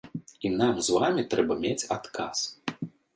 І нам з вамі трэба мець адказ.